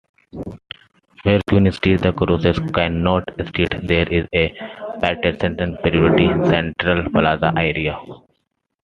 Where Queen Street crosses Cannon Street there is a pedestrian-priority "Central Plaza" area.